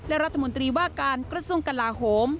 และรัฐมนตรีว่าการกระทรวงกลาโหม